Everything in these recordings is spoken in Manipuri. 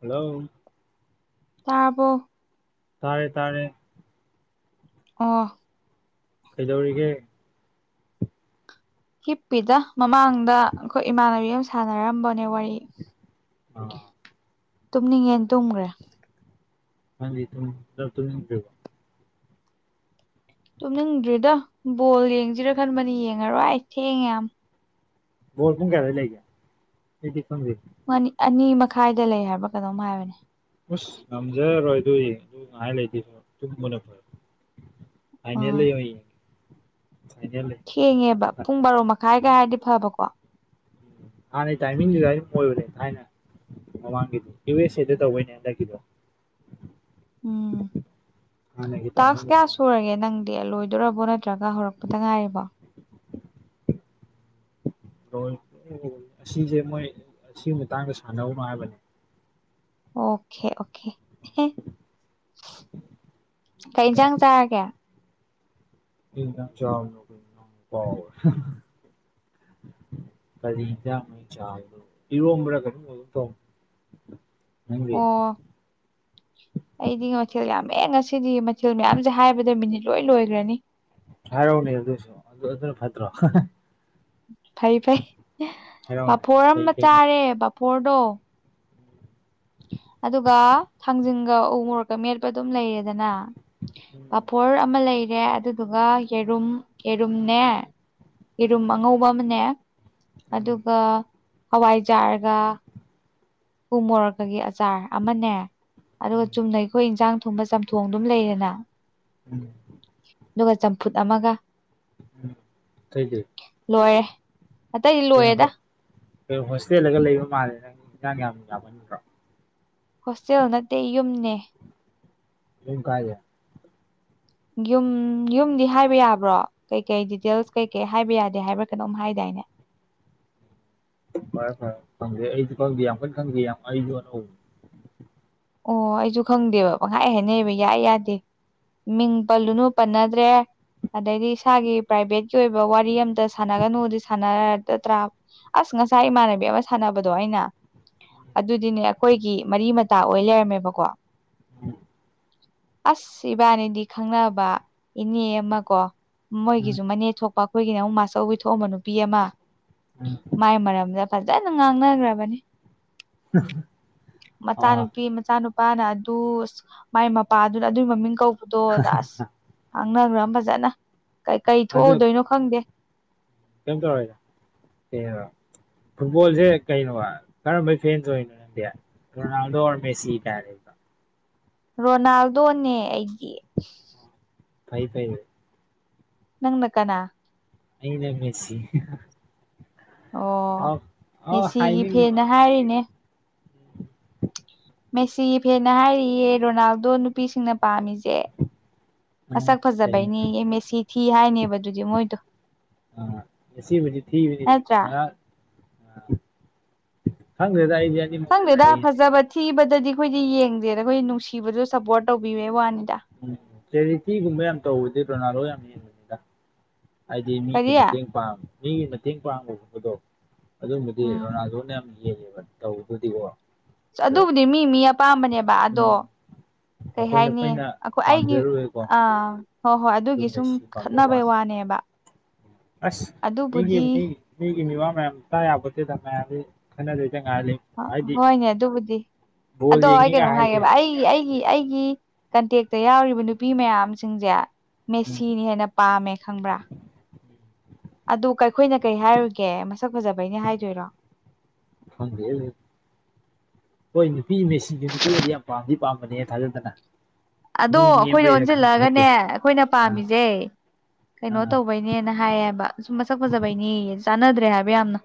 ꯍꯜꯂꯣ ꯇꯥꯔꯕꯣ ꯇꯥꯔꯦ ꯇꯥꯔꯦ ꯑꯣ ꯀꯩꯗꯧꯔꯤꯒꯦ ꯍꯤꯞꯄꯤꯗ ꯃꯃꯥꯡꯗ ꯑꯩꯈꯣꯏ ꯏꯃꯥꯟꯅꯕꯤ ꯑꯃ ꯁꯥꯟꯅꯔꯝꯕꯅꯦ ꯋꯥꯔꯤ ꯑꯣ ꯇꯨꯝꯅꯤꯡꯉꯦꯅ ꯇꯨꯝꯒ꯭ꯔꯦ ꯅꯪꯗꯤ ꯊꯨꯝ ꯗꯤ ꯇꯨꯝꯅꯤꯡꯗꯔꯤꯕꯣ ꯇꯨꯝꯅꯤꯡꯗ꯭ꯔꯤꯗ ꯕꯣꯜ ꯌꯦꯡꯁꯤꯔꯥ ꯈꯟꯕꯅꯦ ꯌꯦꯡꯉꯔꯣꯏ ꯑꯩ ꯊꯦꯡꯉꯦ ꯌꯥꯝ ꯕꯣꯜ ꯄꯨꯡ ꯀꯌꯥꯗꯩ ꯂꯩꯒꯦ ꯑꯩꯗꯤ ꯈꯪꯗꯦ ꯃꯅꯤ ꯑꯅꯤ ꯃꯈꯥꯏꯗ ꯂꯩ ꯍꯥꯏꯕ꯭ꯔꯥ ꯀꯩꯅꯣꯝ ꯍꯥꯏꯕꯅꯦ ꯎꯁ ꯉꯝꯖꯔꯔꯣꯏ ꯑꯗꯨꯏ ꯑꯗꯨ ꯉꯥꯏ ꯂꯩꯔꯗꯤ ꯇꯨꯝꯕꯥꯅ ꯐꯔꯦ ꯐꯩꯅꯂꯗ [inaudible] ꯑꯣꯏꯅ ꯑꯥ ꯌꯦꯡꯒꯦ ꯐꯩꯅ ꯂꯩ ꯊꯦꯡꯉꯦꯕ ꯄꯨꯡ ꯕꯥꯔꯣ ꯃꯈꯥꯏꯒ ꯍꯥꯏꯔꯗꯤ ꯐꯕꯀꯣ ꯍꯥꯟꯅꯩ ꯇꯥꯏꯃꯤꯡꯗꯤ ꯑꯗꯥ꯭ꯎꯋꯥꯟꯗꯨ ꯑꯣꯏꯕꯅꯦ ꯊꯥꯏꯅ ꯃꯃꯥꯡꯒꯤꯗꯤ ꯌꯨ ꯑꯦꯁ ꯑꯦꯗ ꯇꯧꯕꯩꯅꯦ ꯍꯟꯗꯛꯀꯤꯗꯣ ꯎꯝ ꯍꯥꯟꯅꯒꯤ ꯇꯥꯛꯁ ꯀꯌꯥ ꯇꯥꯏꯃꯤꯡꯗꯨꯗ ꯁꯨꯔꯒꯦ ꯅꯪ ꯇꯦꯜ ꯂꯣꯏꯗꯣꯔꯕꯣ ꯅꯠꯇ꯭ꯔꯒ ꯍꯧꯔꯛꯄꯗ ꯉꯥꯏꯔꯤꯕꯣ inaudible [unintelligible] ꯑꯁꯤꯁꯦ ꯃꯣꯏ ꯑꯁꯤꯒꯤ ꯃꯇꯥꯡꯗ ꯁꯥꯟꯅꯧꯅꯣ ꯍꯥꯏꯕꯅꯦ ꯑꯣꯀꯦ ꯑꯣꯀꯦ ꯑꯣꯀꯦ ꯀꯩ ꯑꯗꯣ ꯏꯟꯁꯥꯡ ꯆꯥꯔꯒꯦ ꯀꯩ ꯌꯦꯟꯁꯥꯡ ꯆꯥꯕꯅꯣ ꯗꯨ ꯀꯥꯎꯒꯔꯦ ꯀꯔꯤ ꯌꯦꯟꯁꯥꯡꯅꯣ ꯑꯩ ꯆꯥꯕꯗꯨꯕꯨ ꯏꯔꯣꯝꯕ꯭ꯔ ꯀꯩꯅꯣꯝ ꯑꯣꯏꯒꯨꯝꯇꯧꯕꯅꯦ inaudible [unintelligible] ꯑꯣ [unintelligible] ꯑꯩꯗꯤ ꯃꯊꯦꯜ ꯌꯥꯝꯃꯦ ꯉꯁꯤꯗꯤ ꯃꯊꯦꯜ ꯃꯌꯥꯝꯁꯦ ꯍꯥꯏꯕꯗ ꯃꯤꯅꯤꯠ ꯂꯣꯏ ꯂꯣꯏꯒ꯭ꯔꯅꯤ ꯍꯥꯏꯔꯥꯎꯅꯦ ꯑꯗꯨꯏꯁꯨ ꯑꯗꯨ ꯑꯗꯨꯅ ꯐꯠꯇ꯭ꯔꯣ ꯍꯥ ꯍꯥ ꯐꯩ ꯐꯩ ꯍꯥꯏꯔꯛꯎꯅꯦ ꯐꯥꯐꯣꯔ ꯀꯩ ꯑꯃ ꯀꯩ ꯃ ꯆꯥꯔꯦ ꯐꯐꯣꯔꯗꯣ ꯑꯗꯨꯒ ꯊꯥꯡꯖꯤꯡꯒ ꯎꯨ ꯃꯨꯔꯣꯛꯀ ꯃꯦꯠꯄ ꯑꯗꯨꯝ ꯂꯩꯔꯦꯗꯅ ꯄꯐꯣꯔ ꯑꯃ ꯂꯩꯔꯦ ꯑꯗꯨꯗꯨꯒ ꯌꯦꯔꯨꯝ ꯌꯦꯔꯨꯝꯅꯦ ꯌꯦꯔꯨꯝ ꯑꯉꯧꯕ ꯑꯃꯅꯦ ꯑꯗꯨꯒ ꯍꯋꯥꯏꯖꯥꯔꯒ ꯎꯨ ꯃꯣꯔꯣꯛꯀꯒꯤ ꯑꯆꯥꯔ ꯑꯃꯅꯦ ꯑꯗꯨꯒ ꯆꯨꯝꯅ ꯑꯩꯈꯣꯏ ꯏꯟꯁꯥꯡ ꯊꯣꯡꯕ ꯆꯝꯊꯣꯡꯗꯨꯝ ꯂꯩꯔꯦꯅ ꯎꯝ [inaudible] ꯑꯗꯨꯒ ꯆꯝꯐꯨꯠ ꯑꯃꯒ ꯑꯇꯩꯗꯤ ꯂꯣꯏꯔꯦ ꯑꯇꯩꯗꯤ ꯀꯩꯅꯣ ꯂꯣꯏꯔꯦꯗ ꯀꯩꯅꯣ ꯍꯣꯁꯇꯦꯜꯗꯒ ꯂꯩꯕ ꯃꯥꯜꯂꯦ ꯅꯪ ꯏꯟꯁꯥꯡ ꯌꯥꯝ ꯌꯥꯝꯃꯟꯕ꯭ꯔꯣ ꯍꯣꯁꯇꯦꯜ ꯅꯠꯇꯦ ꯌꯨꯝꯅꯦ ꯌꯨꯝ ꯀꯥꯏꯗ ꯌꯨꯝ ꯌꯨꯝꯗꯤ ꯍꯥꯏꯕ ꯌꯥꯕ꯭ꯔꯣ ꯀꯩ ꯀꯩ ꯗꯤꯇꯦꯜꯁ ꯀꯩ ꯀꯩ ꯍꯥꯏꯕ ꯌꯥꯗꯦ ꯍꯥꯏꯕ꯭ꯔꯥ ꯀꯩꯅꯣꯝ ꯍꯥꯏꯗꯥꯏꯅꯦ ꯐꯔꯦ ꯐꯔꯦ ꯈꯪꯗꯦ ꯑꯩꯁꯨ ꯈꯪꯗꯦ ꯌꯥꯝ ꯀꯟꯅ ꯈꯪꯗꯦ ꯌꯥꯝ ꯑꯩꯁꯨ ꯑꯅꯧ ꯑꯣ ꯑꯩꯁꯨ ꯈꯪꯗꯦꯕ ꯄꯪꯍꯥꯏ ꯍꯥꯏꯅꯩꯑꯕ ꯌꯥꯏ ꯌꯥꯗꯦ ꯃꯤꯡ ꯄꯜꯂꯨꯅꯨ ꯄꯟꯅꯗ꯭ꯔꯦ ꯑꯗꯩꯗꯤ ꯏꯁꯥꯒꯤ ꯄ꯭ꯔꯥꯏꯚꯦꯠꯀꯤ ꯑꯣꯏꯕ ꯋꯥꯔꯤ ꯑꯝꯇ ꯁꯥꯟꯅꯒꯅꯨꯗꯤ ꯁꯥꯟꯅꯔꯗꯗ꯭ꯔꯥ ꯑꯁ ꯉꯁꯥꯏ ꯏꯃꯥꯟꯅꯕꯤ ꯑꯃ ꯁꯥꯟꯅꯕꯗꯣ ꯑꯩꯅ ꯑꯗꯨꯗꯤꯅꯦ ꯑꯩꯈꯣꯏꯒꯤ ꯃꯔꯤ ꯃꯇꯥ ꯑꯣꯏ ꯂꯩꯔꯝꯃꯦꯕꯀꯣ ꯎꯝ ꯑꯁ ꯏꯕꯥꯅꯤꯗꯤ ꯈꯪꯅꯕ ꯏꯅꯦ ꯑꯃ ꯀꯣ ꯃꯣꯏꯒꯤꯁꯨ ꯃꯅꯦ ꯊꯣꯛꯄ ꯑꯩꯈꯣꯏꯒꯤꯅ ꯃꯥꯆꯧꯕꯤ ꯊꯣꯛꯑꯝꯕ ꯅꯨꯄꯤ ꯑꯃ ꯃꯥꯏ ꯃꯔꯝꯗ ꯐꯖꯅ ꯉꯥꯡꯅꯈ꯭ꯔꯕꯅꯤ ꯑꯥ ꯃꯆꯥꯅꯨꯄꯤ ꯅꯨꯄꯤ ꯃꯆꯥꯅꯨꯄꯥꯅ ꯑꯗꯨ ꯑꯁ ꯃꯥꯏ ꯃꯄꯥꯗꯨꯅ ꯑꯗꯨꯒꯤ ꯃꯃꯤꯡ ꯀꯧꯕꯗꯣꯗ ꯑꯁ ꯉꯥꯡꯅꯒ꯭ꯝ ꯐꯖꯅ ꯀꯩ ꯀꯩ ꯊꯣꯛꯎꯗꯣꯏꯅꯣ ꯈꯪꯗꯦ ꯀꯌꯦꯝ ꯇꯧꯔꯣꯏꯗ unintelligible ꯐꯨꯠꯕꯣꯜꯁꯦ ꯀꯩꯅꯣ ꯀꯔꯝꯕꯩ ꯐꯦꯟꯁꯨ ꯑꯣꯏꯔꯤꯅꯣ ꯅꯪꯗꯤ ꯗꯧꯔꯃꯦ ꯁꯤꯇꯥꯔꯦ ꯔꯣꯅꯥꯜꯗꯣꯅꯦ ꯑꯩꯒꯤ ꯐꯥꯏ ꯐꯥꯏ ꯅꯪꯅ ꯀꯅꯥ ꯑꯩꯗ ꯄꯁꯤ ꯑꯣ ꯑ ꯃꯦꯁꯤꯒꯤ ꯍꯥꯏꯅꯤꯡ ꯐꯦꯅ ꯍꯥꯏꯔꯤꯅꯦ ꯃꯦꯁꯤ ꯐꯦꯟꯅ ꯍꯥꯏꯔꯤꯌꯦ ꯔꯣꯅꯥꯜꯗꯣ ꯅꯨꯄꯤꯁꯤꯡꯅ ꯄꯥꯝꯃꯤꯁꯦ ꯎꯝ ꯃꯁꯛ ꯀꯩ ꯐꯖꯕꯩꯅꯤ ꯌꯦ ꯃ ꯁꯤ ꯊꯤ ꯍꯥꯏꯅꯦꯕ ꯑꯗꯨꯗꯤ ꯃꯣꯏꯗꯣ ꯑꯥ ꯉꯁꯤꯕꯨꯗꯤ ꯊꯤꯕꯅꯤ ꯅꯠꯇ꯭ꯔꯥ ꯉꯥꯛ ꯈꯪꯗ꯭ꯔꯦꯗ ꯑꯩꯗꯤ ꯑꯅꯤꯃꯛ ꯈꯪꯗꯦꯗ ꯐꯩ ꯐꯖꯕ ꯊꯤꯕꯗꯗꯤ ꯑꯩꯈꯣꯏꯗꯤ ꯌꯦꯡꯗꯦꯗ ꯑꯩꯈꯣꯏ ꯅꯨꯡꯁꯤꯕꯗ ꯁꯞꯄꯣꯔꯠ ꯇꯧꯕꯤꯕꯦ ꯋꯥꯅꯤꯗ ꯎꯝ ꯆꯦꯔꯤꯇꯤꯒꯨꯝꯕ ꯌꯥꯝ ꯇꯧꯕꯗꯤ ꯔꯣꯅꯥꯜꯗꯣ ꯌꯥꯝ ꯌꯦꯡꯕꯅꯤꯅ ꯍꯥꯏꯗꯤ ꯃꯤꯒꯤ ꯀꯔꯤ ꯃꯇꯦꯡ ꯄ ꯃꯤꯒꯤ ꯃꯇꯦꯡ ꯄꯥꯡꯕꯒꯨꯝꯕꯗꯣ ꯑꯗꯨꯝꯕꯗꯤ ꯎꯝ ꯔꯣꯅꯥꯜꯗꯣꯅ ꯌꯥꯝ ꯌꯦꯡꯉꯦꯕ ꯇꯧꯕꯗꯨꯗꯤꯀꯣ ꯑꯗꯣ ꯑꯗꯨꯕꯨꯗꯤ ꯃꯤ ꯃꯤ ꯑꯄꯥꯝꯕꯅꯦꯕ ꯑꯗꯣ ꯎꯝ ꯀꯩ ꯑꯩꯈꯣꯏꯅ ꯍꯥꯏꯅꯤ ꯑꯩꯅ ꯣ ꯑꯩꯒꯤ ꯄꯥꯝꯖꯔꯨꯔꯦꯀꯣ ꯑ ꯍꯣꯏ ꯍꯣꯏ ꯑꯗꯨꯝ ꯑꯗꯨꯒꯤ ꯁꯨꯝ ꯃꯦꯁꯤ ꯄꯥꯝꯖꯕ ꯈꯠꯅꯕꯩ ꯋꯥꯅꯤ ꯋꯥꯅꯦꯕ ꯑꯗꯨꯕꯨꯗꯤ ꯃꯤꯒꯤꯅꯦꯕꯥ ꯃꯌꯥꯝ ꯇ ꯌꯥꯕꯁꯤꯗ ꯃꯌꯥꯝꯗꯤ ꯈꯟꯅꯗꯣꯏꯗ ꯉꯥꯏꯍꯜꯂꯤ ꯍꯣꯏꯅꯦ ꯑꯗꯨꯕꯨꯗꯤ ꯕꯣꯜ ꯑꯗꯣ ꯑꯩ ꯌꯦꯡꯉꯤꯒ ꯀꯩꯅꯣꯝ ꯍꯥꯏꯁꯦ ꯍꯥꯏꯒꯦꯕ ꯑꯩ ꯑꯩꯒꯤ ꯑꯩꯒꯤ ꯀꯟꯇꯦꯛꯇ ꯌꯥꯎꯔꯤꯕ ꯅꯨꯄꯤ ꯃꯌꯥꯝꯁꯤꯡꯁꯦ ꯎꯝ ꯃꯦꯁꯤꯅꯤ ꯍꯥꯏꯅ ꯄꯥꯝꯃꯦ ꯈꯪꯕ꯭ꯔꯥ ꯑꯗꯨ ꯑꯩꯈꯣꯏꯅ ꯀꯩ ꯍꯥꯏꯔꯨꯒꯦ ꯃꯁꯛ ꯐꯖꯕꯩꯩꯅ ꯍꯥꯏꯗꯣꯏꯔꯣ ꯐꯪ ꯍꯣꯏ ꯅꯨꯄꯤ ꯃꯦꯆꯁꯦ ꯅꯨꯄꯤꯅꯗꯤ ꯌꯥꯝ ꯄꯥꯝꯗꯤ ꯄꯥꯝꯕꯅꯦ ꯊꯥꯖꯗꯅ ꯑꯗꯣ ꯃꯤ ꯑꯩꯈꯣꯏꯗ ꯅꯦꯝꯕꯩꯔ ꯈꯪꯕ ꯅꯠꯇꯦ ꯑꯣꯟꯁꯤꯜꯂꯛꯑꯒꯅꯦ ꯑꯩꯈꯣꯏꯅ ꯑꯥ ꯄꯥꯝꯃꯤꯁꯦ ꯀꯩꯅꯣ ꯑꯥ ꯇꯧꯕꯩꯅꯤ ꯅꯦꯅ ꯍꯥꯏꯌꯦꯕ ꯁꯨꯝ ꯃꯁꯛ ꯐꯖꯕꯩꯅꯤ ꯆꯥꯟꯅꯗ꯭ꯔꯦ ꯍꯥꯏꯕ ꯌꯥꯝꯅ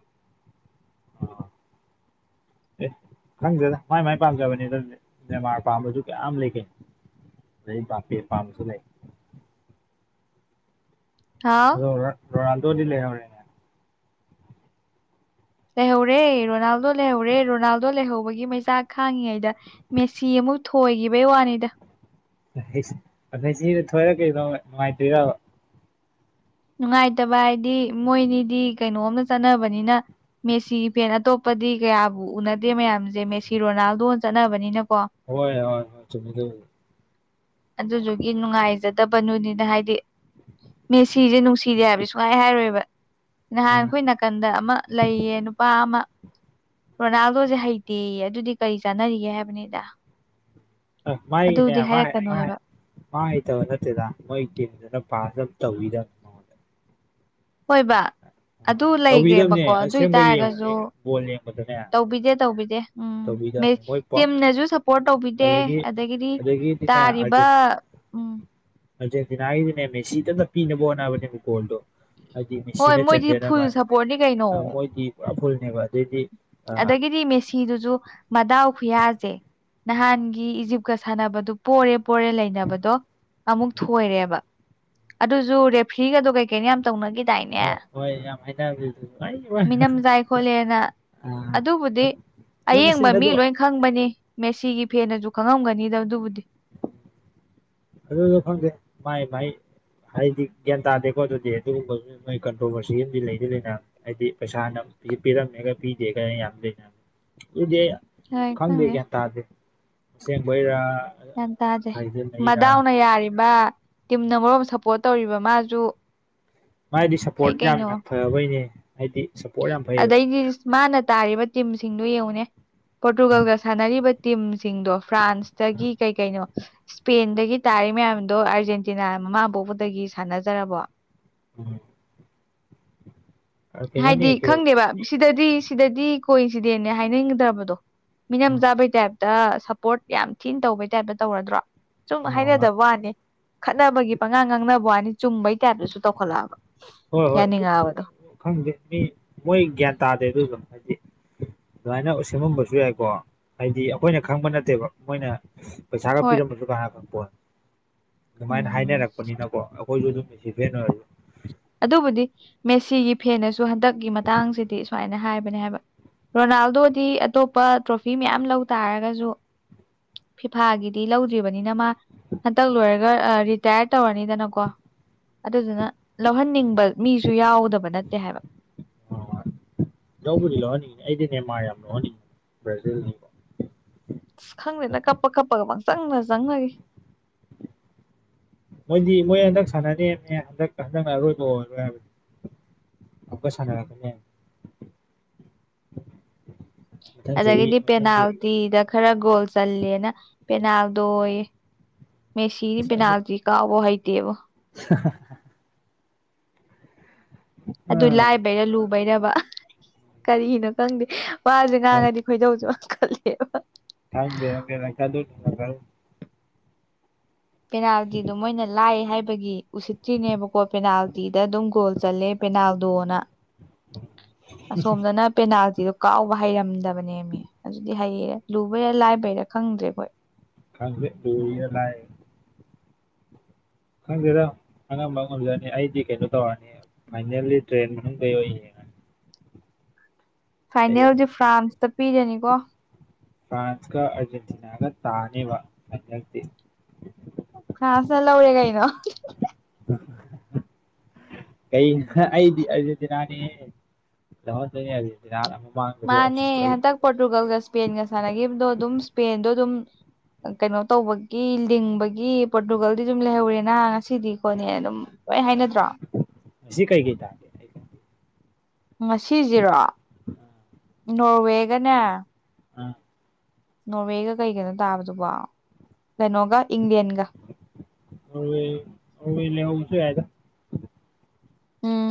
ꯑ ꯑꯦ ꯈꯪꯖꯗ ꯃꯥꯏ ꯃꯥꯏ ꯄꯥꯝꯖꯕꯅꯤꯗ ꯃꯦꯟꯃꯥꯔ ꯄꯥꯝꯕꯁꯨ ꯀꯌꯥꯝ ꯂꯩꯒꯦ ꯂꯩ ꯄꯤꯦ ꯄꯥꯝꯁꯨ ꯂꯩ ꯍꯥꯎ ꯂꯔ ꯇ ꯗꯂꯦ ꯍꯔꯦ ꯂꯩꯍꯧꯔꯦ ꯔꯣꯅꯥꯜꯗꯣ ꯂꯩꯍꯧꯔꯦ ꯔꯣꯅꯥꯜꯗꯣ ꯂꯩꯍꯧꯕꯒꯤ ꯃꯩꯆꯥꯛ ꯈꯥꯡꯉꯤꯉꯩꯗ ꯃꯦꯁꯤ ꯑꯃꯨꯛ ꯊꯣꯏꯈꯤꯕꯩ ꯋꯥꯅꯤꯗ ꯑꯗꯩ ꯁꯤꯗ ꯊꯣꯏꯔꯛꯀꯦ ꯅꯨꯡꯉꯥꯏꯇꯣꯏꯗꯕ ꯅꯨꯡꯉꯥꯏꯇꯕ ꯍꯥꯏꯗꯤ ꯃꯣꯏꯅꯤꯗꯤ ꯀꯩꯅꯣꯝꯇ ꯆꯠꯅꯕꯅꯤꯅ ꯃꯦꯁꯤ ꯐꯦꯟ ꯑꯇꯣꯞꯄꯗꯤ ꯀꯌꯥꯕꯨ ꯎꯅꯗꯦ ꯃꯌꯥꯝꯁꯦ ꯃꯦꯁꯤ ꯔꯣꯅꯥꯜꯗꯣꯅ ꯆꯠꯅꯕꯅꯤꯅꯀꯣ ꯍꯣꯏ ꯍꯣꯏ ꯍꯣꯏ ꯆꯃꯤ ꯑꯗꯨꯗꯨꯒꯤ ꯅꯨꯡꯉꯥꯏꯖꯗꯕ [unintelligible] ꯍꯥꯏꯗꯤ ꯁꯤꯁꯦ ꯅꯨꯡꯁꯤꯔꯦ ꯍꯥꯏꯕ ꯁꯨꯃꯥꯏ ꯍꯥꯏꯔꯣꯏꯕ ꯅꯍꯥꯟ ꯎꯝ ꯑꯩꯈꯣꯏ ꯅ- ꯀꯟꯗ ꯑꯃ ꯂꯩꯌꯦ ꯅꯨꯄꯥ ꯑꯃ ꯔꯣꯅꯥꯜꯗꯣꯁꯦ ꯍꯩꯇꯦꯌꯦ ꯑꯗꯨꯗꯤ ꯀꯔꯤ ꯆꯥꯟꯅꯔꯤꯒꯦ ꯍꯥꯏꯕꯅꯤꯗ ꯑꯦ ꯃꯥꯥꯒꯤꯅꯦ ꯑꯗꯨꯗꯤ [unintelligible] ꯍꯥꯏꯔꯛꯀꯅꯣ ꯍꯥꯏꯕ ꯃꯥꯥ ꯍꯩꯇꯕ ꯅꯠꯇꯦꯗ ꯃꯣꯏ ꯇꯤꯝꯗꯨꯅ ꯄꯥꯁ ꯑꯝ ꯇꯧꯕꯤꯗꯕ ꯍꯣꯏꯕ ꯑꯗꯨ ꯇꯧꯕꯤꯗꯕꯅꯦ ꯂꯩꯈ꯭ꯔꯦꯕꯀꯣ ꯑꯗꯨ ꯑꯁꯦꯡꯕ ꯌꯦꯡꯉꯨꯅꯦ ꯑꯣꯏꯇꯥꯔꯒꯁꯨ ꯕꯣꯜ ꯌꯦꯡꯕꯗꯅꯦ ꯇꯧꯕꯤꯗꯦ ꯇꯧꯕꯤꯗꯦ ꯎꯝ ꯇꯧꯕꯤꯗꯕꯅꯦ ꯃꯣꯏ ꯇꯤꯝꯅꯁꯨ ꯁꯞꯄꯣꯔꯠ ꯇꯧꯕꯤꯗꯦ ꯑꯗꯒꯤ ꯑꯗꯒꯤꯗꯤ ꯇꯥꯔꯤꯕ ꯎꯝ ꯑꯔꯖꯦꯟꯇꯤꯅꯥꯒꯤꯗꯤꯅꯦ ꯃꯦꯁꯤꯗꯇ ꯄꯤꯅꯕ ꯍꯣꯠꯅꯕꯅꯦ ꯕꯣꯜꯗꯣ ꯍꯥꯏꯗꯤ ꯍꯣꯏ ꯃꯦꯁꯤꯅ ꯃꯣꯏꯗꯤ ꯆꯟꯖꯅꯕ ꯐꯨꯜ ꯍꯥꯏꯅ ꯁꯞꯄꯣꯔꯠꯅꯤ ꯀꯩꯅꯣ ꯃꯣꯏꯗꯤ ꯄꯨꯔ ꯐꯨꯜꯅꯦꯕ ꯑꯗꯩꯗꯤ ꯑꯥ ꯑꯗꯒꯤꯗꯤ ꯃꯦꯁꯤꯗꯨꯁꯨ ꯃꯗꯥꯎ ꯈꯨꯌꯥꯁꯦ ꯅꯍꯥꯟꯒꯤ ꯏꯖꯤꯞꯀ ꯁꯥꯟꯅꯕꯗꯨ ꯄꯣꯔꯦ ꯄꯣꯔꯦ ꯂꯩꯅꯕꯗꯣ ꯑꯃꯨꯛ ꯊꯣꯏꯔꯦꯕ ꯑꯗꯨꯁꯨ ꯔꯦꯐ꯭ꯔꯤꯒꯗꯣ ꯀꯩ ꯀꯩꯅꯣ ꯌꯥꯝ ꯇꯧꯅꯈꯤꯗꯥꯏꯅꯦ ꯑꯣ ꯍꯣꯏ ꯌꯥꯝ ꯍꯥꯏꯅꯕꯅꯦ ꯑꯩꯃꯥ ꯃꯤꯅꯝꯖꯥꯏ ꯈꯣꯠꯂꯦꯅ ꯑꯗꯨꯕꯨꯗꯤ ꯑꯗꯨ ꯑꯌꯦꯡꯕ ꯃꯆꯤꯟ ꯃꯤ ꯑꯗꯨ ꯂꯣꯏ ꯈꯪꯕꯅꯤ ꯃꯦꯁꯤꯒꯤ ꯐꯦꯟꯅꯁꯨ ꯈꯪꯉꯝꯒꯅꯤꯗ ꯑꯗꯨꯕꯨꯗꯤ ꯑꯗꯨꯁꯨ ꯈꯪꯗꯦ ꯃꯥꯏ ꯃꯥꯏ ꯍꯥꯏꯗꯤ ꯒ꯭ꯌꯥꯟ ꯇꯥꯗꯦꯀꯣ ꯑꯗꯨꯗꯤ ꯑꯗꯨꯒꯨꯝꯕ ꯃꯣꯏ ꯀꯟꯇ꯭ꯔꯣꯚꯔꯁꯤ ꯑꯃꯗꯤ ꯂꯩꯗꯤ ꯂꯩꯅ ꯍꯥꯏꯗꯤ ꯄꯩꯁꯥꯅ ꯄꯤꯔꯝꯃꯦꯒ ꯄꯤꯗꯦꯒ ꯌꯥꯝ ꯂꯩꯅꯕꯅꯦ ꯗꯨꯗꯤ ꯈꯪꯗꯦ ꯒ꯭ꯌꯥꯟ ꯇꯥꯗꯦ ꯑꯁꯦꯡꯕꯩꯔꯥ ꯒꯌ꯭ꯥꯟ ꯇꯥꯗꯦ ꯍꯥꯏꯖꯤꯟꯅꯩꯔꯥ ꯃꯗꯥꯎꯅ ꯌꯥꯔꯤꯕ ꯇꯤꯝꯅ ꯃꯔꯣꯜ ꯁꯞꯄꯣꯔꯠ ꯇꯧꯔꯤꯕ ꯃꯥꯁꯨ ꯃꯥꯗꯤ ꯐꯩ ꯁꯞꯄꯣꯔꯠ ꯀꯩꯅꯣ ꯌꯥꯝꯅ ꯐꯕꯩꯅꯦ ꯍꯥꯏꯗꯤ ꯁꯞꯄꯣꯔꯠ ꯌꯥꯝ ꯐꯩꯌꯦꯕ ꯑꯗꯩꯗꯤ ꯃꯥꯅ ꯇꯥꯔꯤꯕ ꯇꯤꯝꯁꯤꯡꯗꯨ ꯌꯦꯡꯉꯨꯅꯦ ꯄꯣꯔꯇꯨꯒꯜꯒ ꯁꯥꯟꯅꯔꯤꯕ ꯇꯤꯝꯁꯤꯡꯗꯣ ꯐ꯭ꯔꯥꯟꯁꯇꯒꯤ ꯀꯩ ꯀꯩꯅꯣ ꯏꯁꯄꯦꯟꯗꯒꯤ ꯇꯥꯔꯤ ꯃꯌꯥꯝꯗꯣ ꯑꯥꯔꯖꯦꯟꯇꯤꯅꯥ ꯃꯃꯥ ꯄꯣꯛꯄꯗꯒꯤ ꯁꯥꯟꯅꯖꯔꯕꯣ ꯎꯝ ꯀꯩꯅꯣꯅꯦ ꯍꯥꯏꯗꯤ ꯀꯩ ꯈꯪꯗꯦꯕ ꯁꯤꯗꯗꯤ ꯁꯤꯗꯗꯤ ꯀꯣꯏꯟꯁꯤꯗꯦꯟꯅꯦ ꯍꯥꯏꯅꯤꯡꯗ꯭ꯔꯕꯗꯣ ꯃꯤꯅꯝ ꯎꯝ ꯆꯥꯕꯩ ꯇꯥꯏꯞꯇ ꯁꯞꯄꯣꯔꯠ ꯌꯥꯝ ꯊꯤꯅ ꯇꯧꯕꯩ ꯇꯥꯏꯞꯇ ꯇꯧꯔꯗ꯭ꯔꯣ ꯁꯨꯝ ꯍꯣꯏ ꯍꯥꯏꯅꯗꯕ ꯋꯥꯅꯦ ꯈꯠꯅꯕꯒꯤ ꯄꯉꯥꯡ ꯉꯥꯡꯅꯕ ꯋꯥꯅꯦ ꯆꯨꯝꯕꯩ ꯇꯥꯏꯞꯇꯁꯨ ꯇꯧꯈꯠꯂꯛꯑꯕ ꯍꯣꯏ ꯍꯣꯏ ꯑꯗꯨ ꯌꯥꯅꯤꯡꯉꯛꯑꯕꯗꯣ ꯈꯪꯗꯦ ꯃꯤ ꯃꯣꯏ ꯒ꯭ꯌꯥꯟ ꯇꯥꯗꯦ ꯑꯗꯨꯗꯣ ꯍꯥꯏꯗꯤ ꯑꯗꯨꯃꯥꯏꯅ ꯁꯦꯝꯃꯝꯕꯁꯨ ꯌꯥꯏꯀꯣ ꯍꯥꯏꯗꯤ ꯑꯩꯈꯣꯏꯅ ꯈꯪꯕ ꯅꯠꯇꯦꯕ ꯃꯣꯏꯅ ꯄꯩꯁꯥꯒ ꯍꯣꯏ ꯄꯤꯔꯝꯃꯁꯨ ꯀꯅꯥꯅ ꯈꯪ ꯄꯣꯠꯅꯣ ꯑꯗꯨꯃꯥꯏꯅ ꯎꯝ ꯍꯥꯏꯅꯔꯛꯄꯅꯤꯅꯀꯣ ꯃꯣꯏꯁꯨ ꯑꯗꯨ ꯃꯤꯁꯤ ꯐꯦꯟ ꯑꯣꯏꯔꯁꯨ ꯑꯗꯨꯕꯨꯗꯤ ꯃꯦꯁꯤꯒꯤ ꯐꯦꯟꯅꯁꯨ ꯍꯟꯗꯛꯀꯤ ꯃꯇꯥꯡꯁꯤꯗꯤ ꯁꯨꯃꯥꯏꯅ ꯍꯥꯏꯕꯅꯦ ꯍꯥꯏꯕ ꯔꯣꯅꯥꯜꯗꯣꯗꯤ ꯑꯇꯣꯞꯄ ꯇ꯭ꯔꯣꯐꯤ ꯃꯌꯥꯝ ꯂꯧ ꯇꯥꯔꯒꯁꯨ ꯐꯤꯐꯥꯒꯤꯗꯤ ꯂꯧꯗ꯭ꯔꯤꯕꯅꯤꯅ ꯃꯥ ꯍꯟꯇꯛ ꯂꯣꯏꯔꯒ ꯔꯤꯇꯥꯌꯔ ꯇꯧꯔꯅꯤꯗꯅꯀꯣ ꯑꯗꯨꯗꯨꯅ ꯂꯧꯍꯟꯅꯤꯡꯕ ꯃꯤꯁꯨ ꯌꯥꯎꯗꯕ ꯅꯠꯇꯦ ꯍꯥꯏꯕ [unintelligible] ꯂꯧꯕꯨꯗꯤ ꯂꯧꯍꯟꯅꯤꯡꯉꯤ ꯑꯩꯗꯤ ꯅꯦꯃꯥꯔ ꯌꯥꯝ ꯂꯧꯍꯟꯅꯤꯡꯉꯤ ꯕ꯭ꯔꯥꯖꯤꯜꯒꯤ ꯈꯪꯗꯦꯗ ꯀꯞꯄ ꯀꯞꯄꯒ ꯄꯪ ꯆꯪꯗ ꯆꯪꯅꯈꯤ ꯃꯣꯏꯗꯤ ꯃꯣꯏ ꯍꯟꯗꯛ ꯁꯥꯟꯅꯤꯃꯦ ꯍꯟꯗꯛ ꯍꯟꯗꯛꯅ ꯑꯔꯣꯏꯕ ꯑꯣꯏꯔꯣꯏ ꯍꯥꯏꯕꯅꯤ ꯑꯃꯨꯛꯀ ꯁꯅꯔꯛꯀꯅꯤ ꯍꯥꯏꯕꯅꯦ ꯑꯗꯒꯤꯗꯤ ꯄꯦꯅꯥꯜꯇꯤꯗ ꯈꯔ ꯒꯣꯜ ꯆꯜꯂꯦꯅ ꯄꯦꯅꯥꯜꯗꯣꯌꯦ ꯃꯦꯁꯤꯗꯤ ꯑꯁ ꯑꯩꯗꯤ ꯄꯦꯅꯥꯜꯇꯤ ꯀꯥꯎꯕ ꯍꯩꯇꯦꯕꯣ [unintelligible] ꯑ ꯑꯗꯨ ꯂꯥꯏꯕꯩꯔ ꯂꯨꯕꯩꯔꯕ ꯀꯔꯤꯅꯣ ꯈꯪꯗꯦ ꯋꯥꯁꯦ ꯈꯪꯗꯦ ꯉꯥꯡꯉꯗꯤ ꯈꯣꯏꯗꯧꯁꯨ ꯈꯠꯂꯦꯕ [unintelligible] ꯄꯦꯅꯥꯜꯇꯤꯗꯣ ꯃꯣꯏꯅ ꯂꯥꯏ ꯍꯥꯏꯕꯒꯤ ꯎꯁꯤꯠꯇ꯭ꯔꯤꯅꯦꯕꯀꯣ ꯄꯦꯅꯥꯜꯇꯤꯗ ꯑꯗꯨꯝ ꯒꯣꯜ ꯆꯠꯂꯦ ꯄꯦꯅꯥꯎꯗꯣꯅ ꯑꯁꯣꯝꯗꯅ ꯄꯦꯅꯥꯁꯤꯗ ꯀꯥꯎꯕ ꯍꯩꯔꯝꯗꯕꯅꯦꯃꯤ ꯑꯗꯨꯗꯤ ꯍꯩꯌꯦꯔ ꯂꯨꯕꯩꯔꯥ ꯂꯥꯏꯕꯩꯔꯥ ꯈꯪꯗ꯭ꯔꯦ ꯍꯣꯏ ꯈꯥꯡ ꯇ ꯌꯥꯥꯏ ꯈꯪꯖꯦꯔꯥ ꯑꯉꯝꯕ ꯉꯝꯖꯔꯅꯤ ꯑꯩꯗꯤ ꯀꯩꯅꯣ ꯇꯧꯔꯅꯤ ꯐꯥꯏꯅꯦꯜꯂꯤ ꯇ꯭ꯔꯦꯟ ꯃꯅꯨꯡꯗꯩ ꯑꯣꯏꯌꯦ ꯑꯩ ꯐꯥꯏꯅꯦꯜꯗꯤꯦ ꯐ꯭ꯔꯥꯟꯁꯇ ꯄꯤꯔꯅꯤꯀꯣ ꯐ꯭ꯔꯥꯟꯁ ꯀ ꯑꯔꯖꯦꯟꯇꯤꯅꯥꯒ ꯇꯥꯅꯦꯕ ꯑꯗꯤ ꯐ꯭ꯔꯥꯟꯁ ꯂꯧꯔꯦ ꯀꯥꯏꯩꯅꯣ ꯀꯩ ꯑꯩꯗꯤꯔ ꯉ ꯂꯩ ꯔꯠ ꯑꯃꯃꯥꯡ ꯃꯥꯅꯦ ꯍꯟꯗꯛ ꯄꯣꯔꯇꯨꯒꯜꯒ ꯏꯁꯄꯦꯟꯒ ꯁꯥꯟꯅꯈꯤꯕꯗꯣ ꯑꯗꯨꯝ ꯏꯁꯄꯦꯟꯗꯣ ꯑꯗꯨꯝ ꯀꯩꯅꯣ ꯇꯧꯕꯒꯤ ꯂꯤꯡꯕꯒꯤ ꯄꯣꯔꯇꯨꯒꯜꯗꯤ ꯑꯗꯨꯝ ꯂꯩꯍꯧꯔꯦꯅ ꯉꯁꯤꯗꯤꯀꯣꯠꯅꯦ ꯑꯗꯨꯝ ꯍꯣꯏ ꯍꯥꯏꯅꯗ꯭ꯔꯣ ꯃꯁꯤ ꯀꯩ ꯀꯩ ꯇ ꯉꯁꯤꯁꯤꯔꯣ ꯅꯣꯔꯋꯦꯒꯅꯦ ꯎ ꯅꯣꯔꯋꯦꯒ ꯀꯩꯒꯅꯣ ꯇꯥꯕꯗꯨꯕ ꯀꯩꯅꯣꯒ ꯏꯪꯂꯦꯟꯒ ꯑ ꯂꯦꯋꯥꯁꯨ ꯌꯥꯏꯗ ꯎꯝ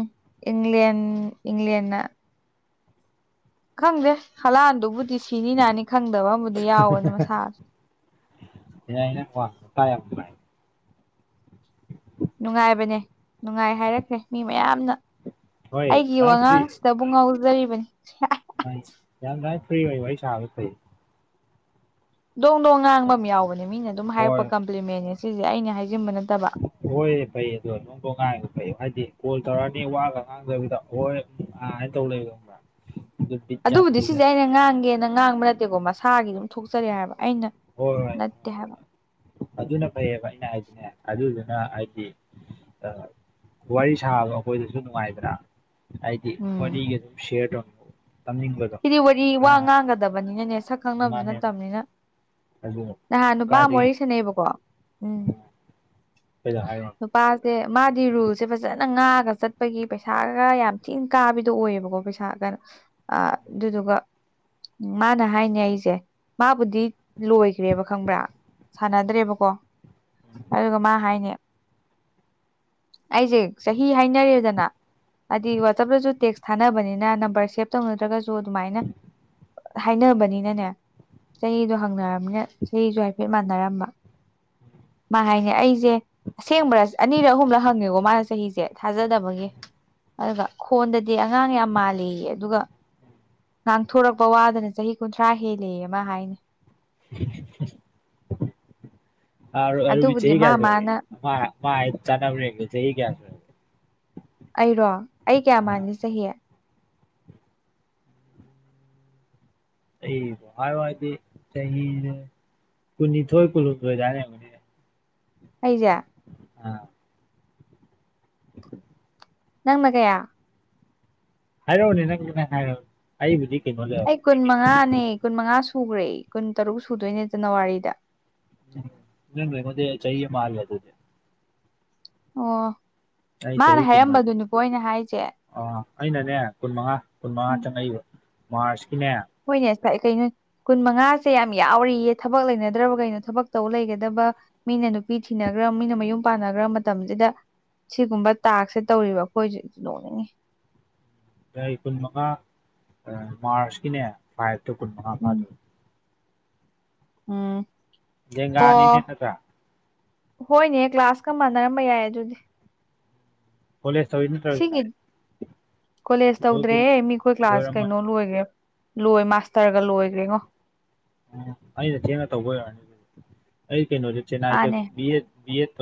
ꯏꯪꯂꯂꯤꯌꯥꯟ ꯏꯪꯂꯂꯤꯌꯥꯟꯅ ꯈꯪꯗꯦ ꯍꯂꯥꯟꯗꯨꯕꯨꯗꯤ ꯁꯤꯅꯤ ꯅꯥꯅꯤ ꯈꯪꯗꯕ ꯑꯃꯕꯨꯗꯤ ꯌꯥꯎꯕꯅꯤ ꯃꯁꯥ ꯍ ꯌꯥꯅꯦ ꯀ ꯇꯥꯏ ꯅꯨꯡꯉꯥꯏꯕꯅꯦ ꯅꯨꯡꯉꯥꯏ ꯍꯥꯏꯔꯛꯈ꯭ꯔꯦ ꯃꯤ ꯃꯌꯥꯝꯅ ꯍꯣꯏ ꯑꯩꯒꯤ ꯂꯥꯏ ꯋꯥꯉꯥꯡ ꯆꯕꯨ ꯉꯥꯎꯖꯔꯤꯕꯅꯤ ꯌꯥꯥꯏ ꯐꯔꯤ ꯍꯥꯏꯁ ꯐ ꯗꯣꯡ ꯗꯣꯡ ꯉꯥꯡꯕ ꯑꯃ ꯌꯥꯎꯕꯅꯦ ꯃꯤꯅ ꯑꯗꯨꯝ ꯍꯣꯏ ꯍꯥꯏꯔꯛꯄ ꯀꯝꯄ꯭ꯂꯤꯃꯦ ꯁꯤꯁꯦ ꯑꯩꯅ ꯍꯥꯏꯖꯤꯟꯕ ꯅꯠꯇꯕ ꯍꯣꯏꯑ ꯐꯩ ꯑꯗꯣ ꯅꯣꯡꯗꯣ ꯉꯥꯏꯕ ꯐꯩ ꯍꯥꯏꯗꯤ ꯀꯣꯜ ꯇꯧꯔꯛꯑꯅꯤ ꯋꯥꯒ ꯉꯥꯡꯗꯕꯤꯗ ꯍꯣꯏ ꯑ ꯇꯧ ꯏꯕꯝꯕ꯭ꯔ ꯑꯗꯨꯕꯨꯗꯤ ꯁꯤꯁꯦ ꯑꯩꯅ ꯉꯥꯡꯒꯦꯅ ꯉꯥꯡꯕ ꯅꯠꯇꯦꯀꯣ ꯃꯁꯥꯒꯤ ꯑꯗꯨꯝ ꯊꯣꯛꯆꯔꯦ ꯍꯥꯏꯕ ꯑꯩꯅ ꯍꯣꯏ ꯍꯣꯏ ꯍ ꯅꯠꯇꯦ ꯍꯥꯏꯕ ꯑꯗꯨꯅ ꯐꯩꯌꯦꯕ ꯑꯩꯅ ꯍꯥꯏꯗꯤꯅꯦ ꯑꯗꯨꯗꯨꯅ ꯍꯥꯏꯗꯤ ꯋꯥꯔꯤ ꯁꯥꯕꯗꯣ ꯑꯩꯈꯣꯏꯗꯁꯨ ꯅꯨꯡꯉꯥꯏꯕ꯭ꯔꯥ ꯍꯥꯏꯗꯤ ꯎꯝ ꯋꯥꯅꯤꯒ ꯑꯗꯨꯔ ꯀ ꯁꯤꯗꯤ ꯋꯥꯔꯤ ꯋꯥ ꯉꯥꯡꯒꯗꯕꯅꯤꯅꯅꯦ ꯁꯛ ꯈꯪꯅꯕꯁꯨ ꯃꯥꯅꯦ ꯃꯥꯅꯦ ꯅꯠꯇꯕꯅꯤꯅ ꯑꯗꯨ ꯅꯍꯥꯟ ꯅꯨꯄꯥ ꯃꯔꯤ ꯀꯥꯏꯗꯒꯤ ꯁꯅꯩꯕꯀꯣ ꯎꯝ ꯀꯩꯗ ꯍꯥꯏꯔꯣ ꯅꯨꯄꯥꯁꯦ ꯃꯥꯗꯤ ꯔꯨꯜꯁꯦ ꯐꯖꯅ ꯉꯥꯡꯒ ꯆꯠꯄꯒꯤ ꯄꯩꯁꯥꯒ ꯌꯥꯝ ꯊꯤꯅ ꯀꯥꯕꯤꯗꯣ ꯑꯣꯏꯌꯦꯕꯀꯣꯁ ꯊꯒꯅ ꯑ ꯑꯗꯨꯗꯨꯒ ꯎ ꯃꯥꯅ ꯍꯥꯏꯅꯦ ꯑꯩꯁꯦ ꯃꯥꯕꯨꯗꯤ ꯂꯣꯏꯈ꯭ꯔꯦꯕ ꯈꯪꯕ꯭ꯔꯥ ꯁꯥꯟꯅꯗ꯭ꯔꯦꯕꯀꯣ ꯑꯗꯨꯒ ꯃꯥ ꯍꯥꯏꯅꯤ [inaudible] ꯑꯩꯁꯦ ꯆꯍꯤ ꯍꯥꯏꯅꯔꯦꯗꯅ ꯍꯥꯏꯗꯤ ꯋꯥꯆꯞꯇꯁꯨ ꯇꯦꯛꯁ ꯊꯥꯅꯕꯅꯤꯅ ꯅꯝꯕꯔ ꯁꯦꯞ ꯇꯧꯅꯗ꯭ꯔꯒꯁꯨ ꯑꯗꯨꯃꯥꯏꯅ ꯍꯥꯏꯅꯕꯅꯤꯅꯅꯦ ꯆꯍꯤꯗꯣ ꯍꯪꯅꯔꯝꯅꯦ ꯆꯍꯤꯁꯨ ꯍꯥꯏꯐꯦꯠ ꯃꯥꯟꯅꯔꯝꯕ ꯃꯥ ꯍꯥꯏꯅꯦ ꯑꯩꯁꯦ ꯑꯁꯦꯡꯕꯔ ꯑꯅꯤꯔꯛ ꯑꯍꯨꯝꯂꯛ ꯍꯪꯉꯦꯀꯣ ꯃꯥꯅ ꯆꯍꯤꯁꯦ ꯊꯥꯖꯗꯕꯒꯤ ꯑꯗꯨꯒ ꯈꯣꯟꯗꯗꯤ ꯑꯉꯥꯡ ꯌꯥꯝ ꯃꯥꯜꯂꯤ ꯑꯗꯨꯒ ꯉꯥꯡꯊꯣꯔꯛꯄ ꯋꯥꯗꯅ ꯆꯍꯤ ꯀꯨꯟꯊ꯭ꯔꯥ ꯍꯦꯜꯂꯦ ꯑꯃ ꯍꯥꯏꯅꯤ [inaudible] ꯑꯔ ꯑꯔꯨꯕꯤ ꯑꯗꯨꯕꯨꯗꯤ ꯆꯍꯤ ꯃꯥ ꯀꯌꯥ ꯁꯨꯔꯥꯒꯦ ꯃꯥꯅ ꯃꯥ ꯃꯥ ꯍꯥꯏꯔꯤꯗꯣ ꯆꯥꯟꯅꯕ꯭ꯔꯥ ꯌꯦꯡꯒꯦ ꯆꯍꯤ ꯀꯌꯥ ꯁꯨꯔꯦ ꯑꯩꯔꯣ ꯑꯩ ꯀꯌꯥ ꯑꯥ ꯃꯥꯜꯂꯤ ꯆꯍꯤ ꯑꯩꯕꯨ ꯍꯥꯏꯌꯣ ꯍꯥꯏꯔꯗꯤ ꯆꯍꯤꯖꯦ ꯀꯨꯟꯅꯤꯊꯣꯏ ꯀꯨꯟꯍꯨꯝꯗꯣꯏ ꯑꯗꯨꯃꯥꯏ ꯂꯩꯔꯝꯒꯅꯤ ꯑꯩꯖ ꯑꯥ ꯅꯪꯅ ꯀꯌꯥ ꯍꯥꯏꯔ‌ꯎꯅꯦ ꯅꯪ ꯅꯪ ꯍꯥꯏꯔꯧ ꯑꯩꯕꯨꯗꯤ ꯀꯩꯅꯣꯗꯥ ꯑꯩ ꯀꯨꯟ ꯃꯉꯥꯅꯦ ꯀꯨꯟ ꯃꯉꯥ ꯁꯨꯈ꯭ꯔꯦ ꯀꯨꯟ ꯇꯔꯨꯛ ꯁꯨꯗꯣꯏꯅꯦ ꯖꯅꯋꯥꯔꯤꯗ ꯎꯝ ꯅꯪꯅ ꯑꯩꯉ‌ꯣꯟꯗꯩ ꯆꯍꯤ ꯑꯝ ꯍꯜꯂ‌ꯦ ꯗꯨ [unintelligible] ꯑꯣ ꯃꯥꯅ ꯍꯥꯏꯔꯝꯕꯗꯨꯅꯦ ꯀꯣ ꯑꯩꯅ ꯍꯥꯏꯖ‌ꯦ ꯑ‌ꯣ ꯑꯩꯅꯅꯦ ꯀꯨꯟꯃꯉꯥ ꯀꯨꯟ ꯃꯉꯥ ꯎꯝ ꯆꯪꯉꯛꯏꯕ ꯃꯥꯔꯁꯀꯤꯅꯦ ꯍꯣꯏꯅꯦ [unintelligible] ꯀꯩꯅꯣꯏ ꯀꯨꯟ ꯃꯉꯥꯁꯦ ꯌꯥꯝ ꯌꯥꯎꯔꯤꯌꯦ ꯊꯕꯛ ꯂꯩꯅꯗ꯭ꯔꯕ ꯀꯩꯅꯣ ꯊꯕꯛ ꯇꯧ ꯂꯩꯒꯗꯕ ꯃꯤꯅ ꯅꯨꯄꯤ ꯊꯤꯅꯒ꯭ꯔ ꯃꯤꯅ ꯃꯌꯨꯝ ꯄꯥꯟꯅꯒ꯭ꯔ ꯃꯇꯝꯖꯤꯗ ꯁꯤꯒꯨꯝꯕ ꯇꯥꯛꯁꯦ ꯇꯧꯔꯤꯕ ꯑꯩꯈꯣꯏꯖꯨ ꯅꯣꯛꯅꯤꯡꯉꯤ ꯆꯍꯤ ꯀꯨꯟ ꯃꯉꯥ ꯑꯑ ꯃꯥꯔꯁꯀꯤꯅꯦ ꯐꯥꯏꯞꯇꯣ ꯀꯨꯟ ꯃꯉꯥ ꯎꯝ ꯐꯥꯗꯣꯏ ꯎꯝ ꯂꯦꯡꯒꯥꯅꯤꯅꯦ ꯑꯣ ꯅꯇ꯭ꯔꯥ ꯍꯣꯏꯅꯦ ꯀ꯭ꯂꯥꯁꯀ ꯃꯥꯟꯅꯔꯝꯕ ꯌꯥꯏ ꯑꯗꯨꯗꯤ ꯀꯣꯂꯦꯁ ꯇꯧꯋꯤ ꯅꯠ ꯁꯤꯒꯤ ꯀꯣꯂꯦꯖ ꯂꯣꯏ ꯀꯨꯜ ꯇꯧꯗ꯭ꯔꯦꯍꯦ ꯃꯤꯈꯣꯏ ꯀ꯭ꯂꯥꯁ ꯂꯣꯏꯔꯝꯃꯅꯤ ꯀꯩꯅꯣ ꯂꯣꯏꯒ꯭‌ꯔ‌ꯦ ꯂꯣꯏ ꯃꯥꯁꯇꯔꯒ ꯂꯣꯏꯈ꯭ꯔꯦꯉꯣ ꯑꯣ ꯑꯩꯅ ꯊꯦꯡꯅ ꯇꯧꯕꯩ ꯑꯣꯏꯔꯅꯤ [unintelligible] ꯑꯩ ꯀꯩꯅꯣꯗ ꯆꯦꯟꯅꯥꯏꯗ ꯃꯥꯅꯦ ꯕꯤꯌ‌ꯦꯗ ꯕꯤꯌ‌ꯦꯗ ꯇꯧ